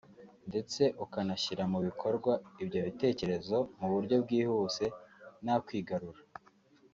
ndetse ukanashyira mu bikorwa ibyo bitekerezo mu buryo bwihuse nta kwigarura